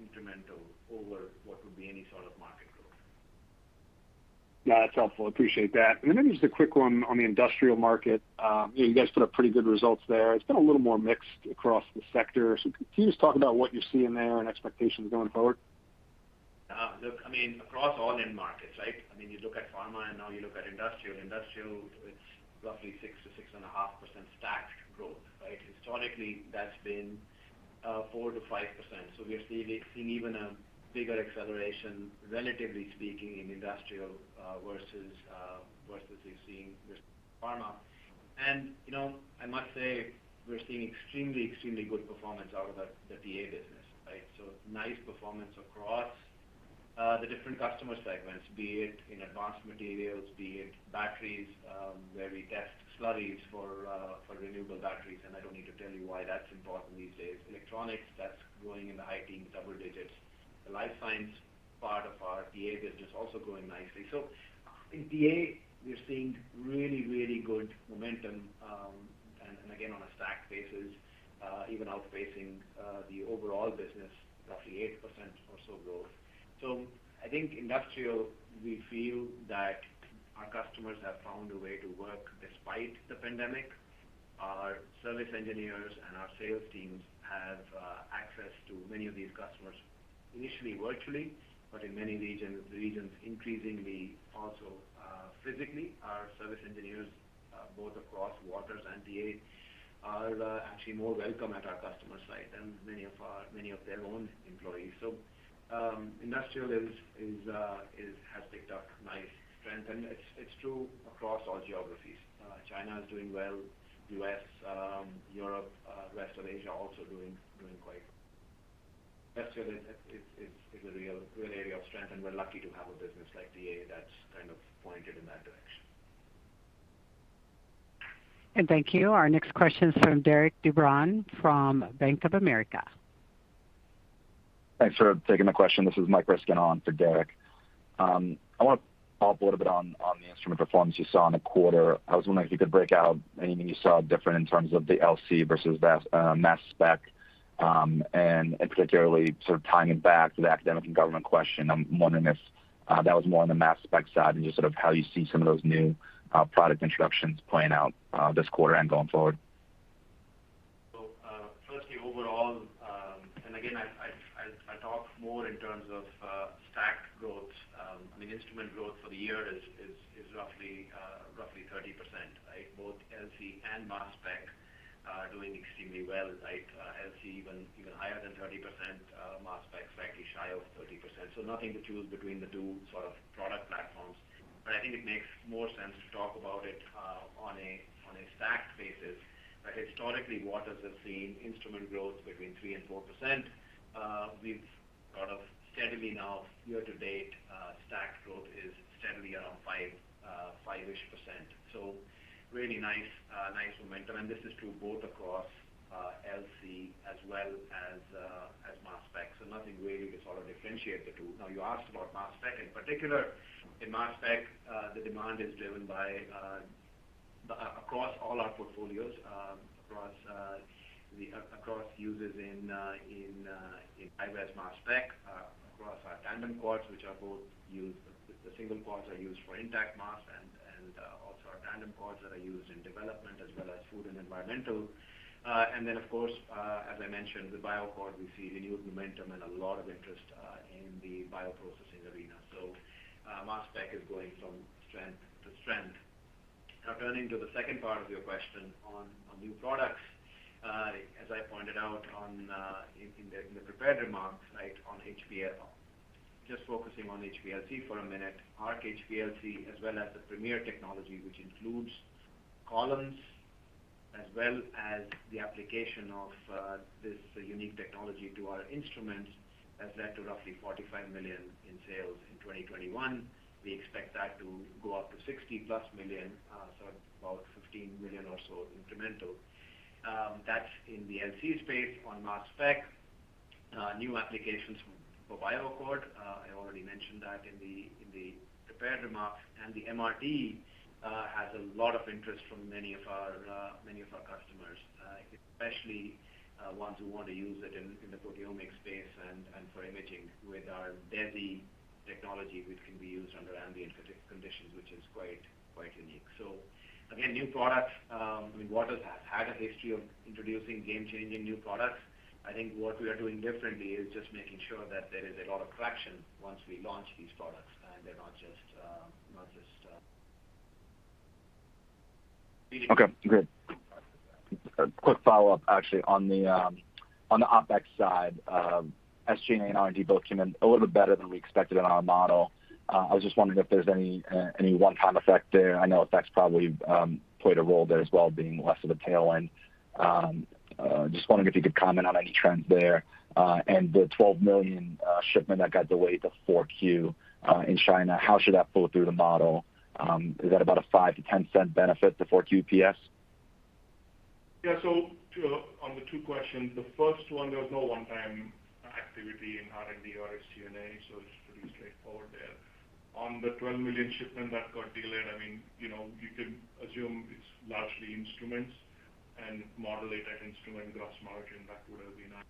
incremental over what would be any sort of market growth. Yeah, that's helpful. Appreciate that. Maybe just a quick one on the industrial market. You know, you guys put up pretty good results there. It's been a little more mixed across the sector. Can you just talk about what you're seeing there and expectations going forward? Look, I mean, across all end markets, right? I mean, you look at pharma and now you look at industrial. Industrial, it's roughly 6%-6.5% stacked growth, right? Historically, that's been 4%-5%. We are seeing even a bigger acceleration, relatively speaking, in industrial versus we're seeing with pharma. You know, I must say we're seeing extremely good performance out of the DA business, right? Nice performance across the different customer segments, be it in advanced materials, be it batteries, where we test slurries for renewable batteries, and I don't need to tell you why that's important these days. Electronics, that's growing in the high teens, double digits. The life science part of our DA business also growing nicely. In TA, we're seeing really good momentum, and again, on a stacked basis, even outpacing the overall business, roughly 8% or so growth. I think industrial, we feel that our customers have found a way to work despite the pandemic. Our service engineers and our sales teams have access to many of these customers, initially virtually, but in many regions, increasingly also physically. Our service engineers, both across Waters and TA are actually more welcome at our customer site than many of their own employees. Industrial has picked up nice strength, and it's true across all geographies. China is doing well. U.S., Europe, rest of Asia also doing quite well. It's a real area of strength, and we're lucky to have a business like TA that's kind of pointed in that direction. Thank you. Our next question is from Derik De Bruin from Bank of America. Thanks for taking the question. This is Michael Ryskin on for Derik. I want to follow up a little bit on the instrument performance you saw in the quarter. I was wondering if you could break out anything you saw different in terms of the LC versus the mass spec, and particularly sort of tying it back to the Academic and Government question. I'm wondering if that was more on the mass spec side and just sort of how you see some of those new product introductions playing out this quarter and going forward. Firstly, overall, and again, I talk more in terms of stacked growth. I mean, instrument growth for the year is roughly 30%, right? Both LC and mass spec are doing extremely well, right? LC even higher than 30%, mass spec slightly shy of 30%. Nothing to choose between the two sort of product platforms. But I think it makes more sense to talk about it on a stacked basis, right? Historically, Waters have seen instrument growth between 3%-4%. We've sort of steadily now year to date, stacked growth is steadily around 5-ish%. Really nice momentum. This is true both across LC as well as mass spec. Nothing really to sort of differentiate the two. Now, you asked about mass spec. In particular, in mass spec, the demand is driven by across all our portfolios, across users in high-res mass spec, across our tandem quad, which are both used. The single quad are used for intact mass and also our tandem quad that are used in development as well as food and environmental. Of course, as I mentioned, the BioAccord, we see renewed momentum and a lot of interest in the bioprocessing arena. Mass spec is going from strength to strength. Now, turning to the second part of your question on new products. As I pointed out in the prepared remarks, right, on HPLC. Just focusing on HPLC for a minute. Arc HPLC as well as the Premier technology, which includes columns as well as the application of this unique technology to our instruments, has led to roughly $45 million in sales in 2021. We expect that to go up to $60+ million, so about $15 million or so incremental. That's in the LC space. On mass spec, new applications for BioAccord, I already mentioned that in the prepared remarks. The MRT has a lot of interest from many of our customers, especially ones who want to use it in the proteomics space and for imaging with our DESI technology, which can be used under ambient conditions, which is quite unique. New products, I mean, Waters has had a history of introducing game-changing new products. I think what we are doing differently is just making sure that there is a lot of traction once we launch these products, and they're not just. Okay, great. A quick follow-up actually on the OpEx side. SG&A and R&D both came in a little bit better than we expected in our model. I was just wondering if there's any one-time effect there. I know OpEx probably played a role there as well, being less of a tailwind. Just wondering if you could comment on any trends there. And the $12 million shipment that got delayed to 4Q in China, how should that pull through the model? Is that about a $0.05-$0.10 benefit to 4Q EPS? On the two questions. The first one, there was no one-time activity in R&D or SG&A, so it's pretty straightforward there. On the $12 million shipment that got delayed, I mean, you know, you can assume it's largely instruments and model it at instrument gross margin. That would have been our-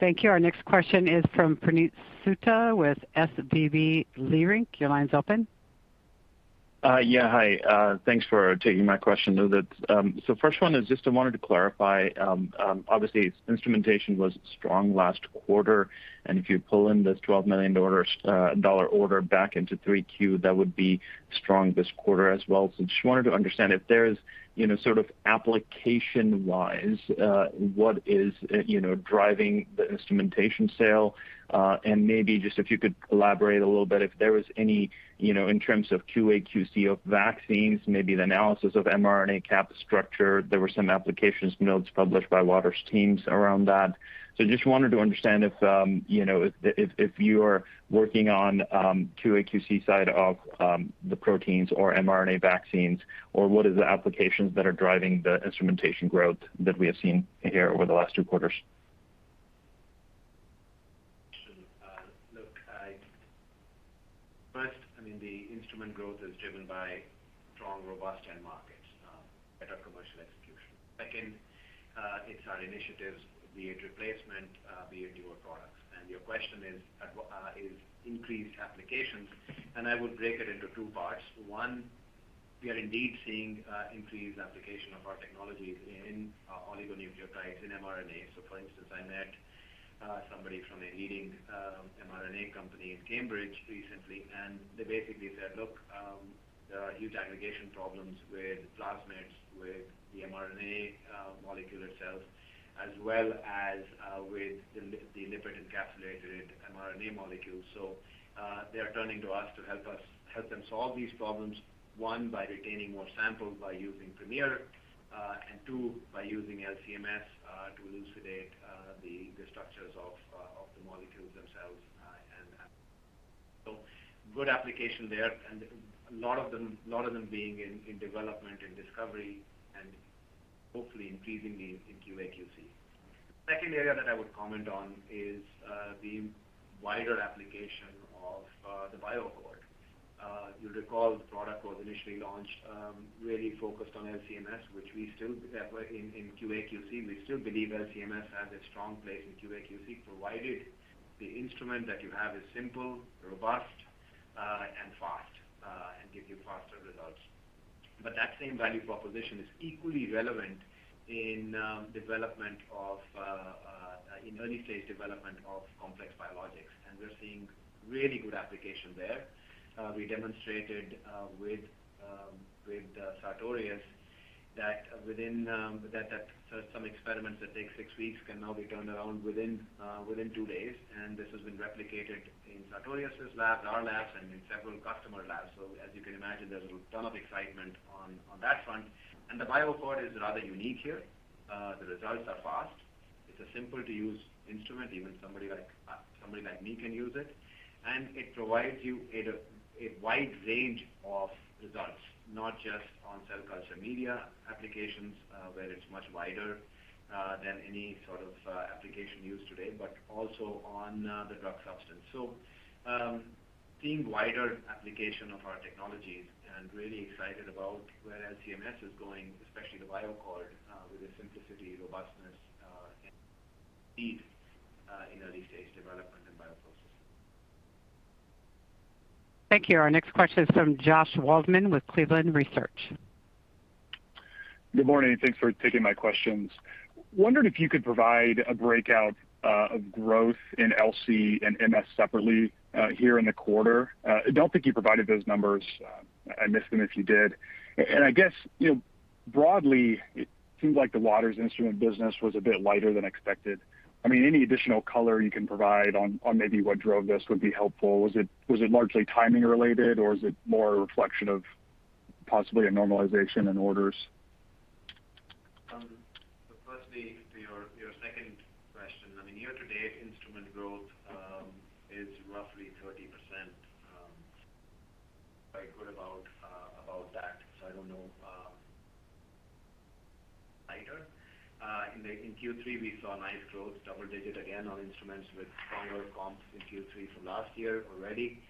Thank you. Our next question is from Puneet Souda with SVB Leerink. Your line's open. Yeah. Hi, thanks for taking my question. The first one is just I wanted to clarify, obviously instrumentation was strong last quarter, and if you pull in this $12 million order back into 3Q, that would be strong this quarter as well. Just wanted to understand if there's, you know, sort of application-wise, what is, you know, driving the instrumentation sale? And maybe just if you could elaborate a little bit, if there was any, you know, in terms of QA/QC of vaccines, maybe the analysis of mRNA cap structure. There were some application notes published by Waters teams around that. Just wanted to understand if you know if you are working on QA/QC side of the proteins or mRNA vaccines or what is the applications that are driving the instrumentation growth that we have seen here over the last two quarters? Sure. Look, first, I mean, the instrument growth is driven by strong, robust end markets, better commercial execution. Second, it's our initiatives, be it replacement, be it newer products. Your question is increased applications, and I would break it into two parts. One, we are indeed seeing increased application of our technologies in oligonucleotides, in mRNA. For instance, I met somebody from a leading mRNA company in Cambridge recently, and they basically said, "Look, there are huge aggregation problems with plasmids, with the mRNA molecule itself, as well as with the lipid encapsulated mRNA molecules." They are turning to us to help them solve these problems, one, by retaining more samples by using Premier. Two, by using LC-MS to elucidate the structures of the molecules themselves. Good application there and a lot of them being in development and discovery and hopefully increasingly in QA/QC. The second area that I would comment on is the wider application of the BioAccord. You'll recall the product was initially launched really focused on LC-MS, which we still believe, in QA/QC, LC-MS has a strong place in QA/QC, provided the instrument that you have is simple, robust and fast and gives you faster results. That same value proposition is equally relevant in early-stage development of complex biologics. We're seeing really good application there. We demonstrated with Sartorius that within that some experiments that take six weeks can now be turned around within two days. This has been replicated in Sartorius' labs, our labs, and in several customer labs. As you can imagine, there's a ton of excitement on that front. The BioAccord is rather unique here. The results are fast. It's a simple to use instrument. Even somebody like me can use it. It provides you a wide range of results, not just on cell culture media applications where it's much wider than any sort of application used today, but also on the drug substance. Seeing wider application of our technologies and really excited about where LC-MS is going, especially the BioAccord, with the simplicity, robustness, and need in early-stage development and bioprocessing. Thank you. Our next question is from Josh Waldman with Cleveland Research. Good morning, and thanks for taking my questions. I wondered if you could provide a breakout of growth in LC and MS separately here in the quarter. I don't think you provided those numbers. I missed them if you did. And I guess, you know, broadly, it seems like the Waters instrument business was a bit lighter than expected. I mean, any additional color you can provide on maybe what drove this would be helpful. Was it largely timing related, or is it more a reflection of possibly a normalization in orders? First, to your second question. I mean, year-to-date instrument growth is roughly 30%. I'm quite good about that. I don't know if it's lighter. In Q3, we saw nice growth, double-digit again on instruments with stronger comps in Q3 from last year already.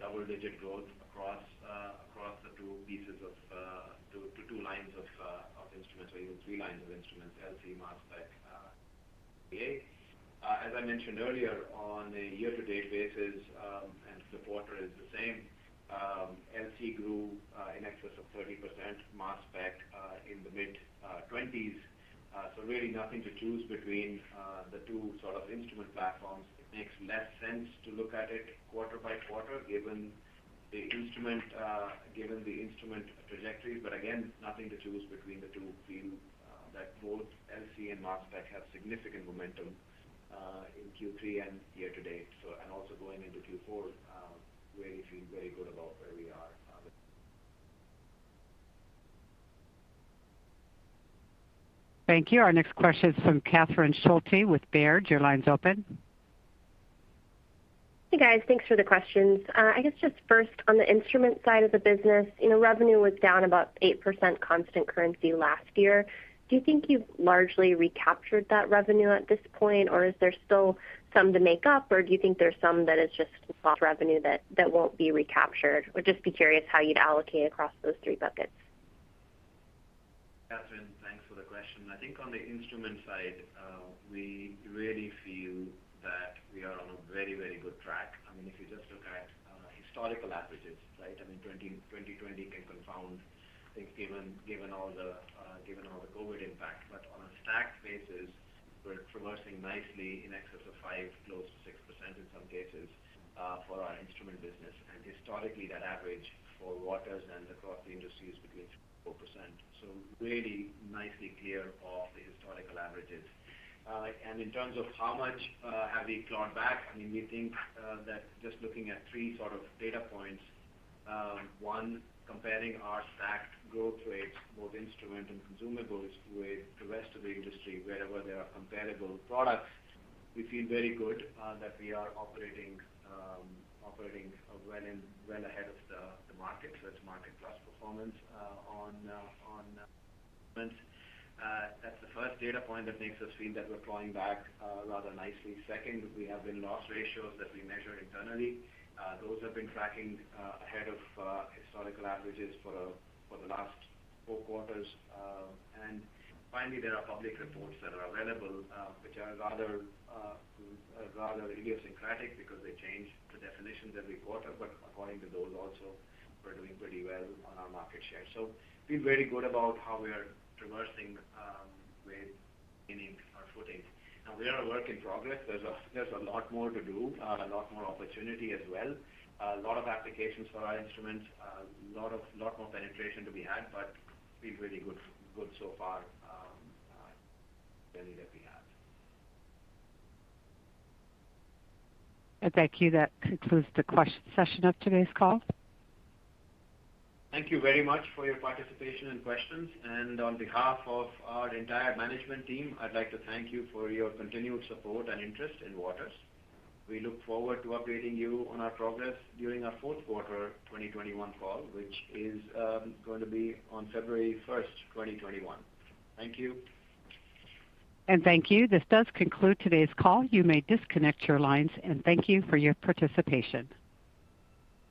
Double-digit growth across the two pieces of two lines of instruments or even three lines of instruments, LC, mass spec, TA. As I mentioned earlier, on a year-to-date basis, and the quarter is the same, LC grew in excess of 30%, mass spec in the mid-20s. Really nothing to choose between the two sort of instrument platforms. It makes less sense to look at it quarter by quarter, given the instrument trajectory. Again, nothing to choose between the two. Feel that both LC and Mass Spec have significant momentum in Q3 and year-to-date and also going into Q4. Really feel very good about where we are. Thank you. Our next question is from Catherine Schulte with Baird. Your line's open. Hey, guys. Thanks for the questions. I guess just first on the instrument side of the business, you know, revenue was down about 8% constant currency last year. Do you think you've largely recaptured that revenue at this point, or is there still some to make up, or do you think there's some that is just soft revenue that won't be recaptured? Would just be curious how you'd allocate across those three buckets. Catherine, thanks for the question. I think on the instrument side, we really feel that we are on a very, very good track. I mean, if you just look at historical averages, right? I mean, 2020 can confound things given all the COVID impact. On a stacked basis, we're traversing nicely in excess of 5%, close to 6% in some cases, for our instrument business. Historically, that average for Waters and across the industry is between 4%. Really nicely clear of the historical averages. In terms of how much have we clawed back, I mean, we think that just looking at three sort of data points. One, comparing our stacked growth rates, both instrument and consumables with the rest of the industry wherever there are comparable products, we feel very good that we are operating well ahead of the market. It's market plus performance on instruments. That's the first data point that makes us feel that we're clawing back rather nicely. Second, we have win-loss ratios that we measure internally. Those have been tracking ahead of historical averages for the last four quarters. Finally, there are public reports that are available, which are rather idiosyncratic because they change the definitions every quarter. According to those also, we're doing pretty well on our market share. We feel very good about how we are traversing with gaining our footing. Now we are a work in progress. There's a lot more to do, a lot more opportunity as well. A lot of applications for our instruments, lot more penetration to be had, but feel really good so far, journey that we have. Thank you. That concludes the Q&A session of today's call. Thank you very much for your participation and questions. On behalf of our entire management team, I'd like to thank you for your continued support and interest in Waters. We look forward to updating you on our progress during our fourth quarter 2021 call, which is going to be on February 1st, 2021. Thank you. Thank you. This does conclude today's call. You may disconnect your lines, and thank you for your participation.